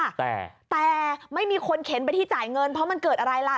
แต่แต่ไม่มีคนเข็นไปที่จ่ายเงินเพราะมันเกิดอะไรล่ะ